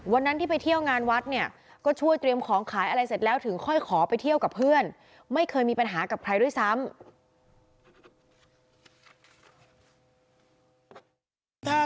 วันนั้นที่ไปเที่ยวงานวัดเนี่ยก็ช่วยเตรียมของขายอะไรเสร็จแล้วถึงค่อยขอไปเที่ยวกับเพื่อนไม่เคยมีปัญหากับใครด้วยซ้ำ